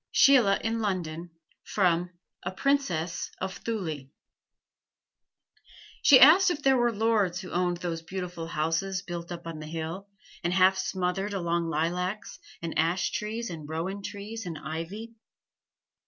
SHEILA IN LONDON From 'A Princess of Thule' She asked if they were lords who owned those beautiful houses built up on the hill, and half smothered among lilacs and ash trees and rowan trees and ivy.